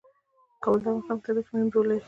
کابل د افغانستان په طبیعت کې مهم رول لري.